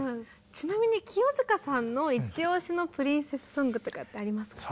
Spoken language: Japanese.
ちなみに清塚さんの一押しのプリンセスソングとかってありますか？